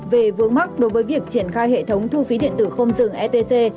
về vướng mắc đối với việc triển khai hệ thống thu phí điện tử không dừng etc